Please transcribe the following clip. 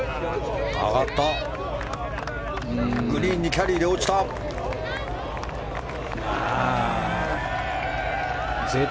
グリーンにキャリーで落ちた。